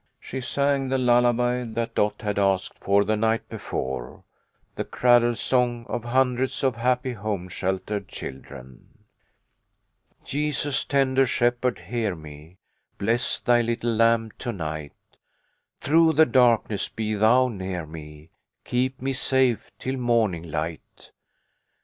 She sung the lullaby that Dot had asked for the night before ; the cradle song of hun dreds of happy home sheltered children : "Jesus, tender Shepherd, hear me, Bless thy little lamb to night Through the darkness be thou near me, Keep me safe till morning light A HAPPY CHRISTMAS.